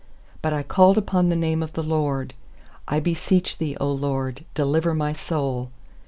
4But I called upon the name of th* LORD: 'I beseech Thee, 0 LORD, delivei my soul.